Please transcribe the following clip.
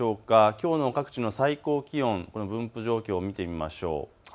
きょうの各地の最高気温、分布状況を見てみましょう。